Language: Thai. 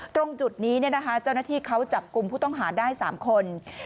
ตรงจุดนี้เจ้าหน้าที่เขาจับกลุ่มผู้ต้องหาได้๓คน